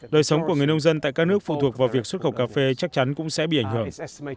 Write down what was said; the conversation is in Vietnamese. đời sống của người nông dân tại các nước phụ thuộc vào việc xuất khẩu cà phê chắc chắn cũng sẽ bị ảnh hưởng